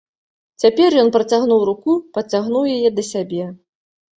Цяпер ён працягнуў руку, падцягнуў яе да сябе.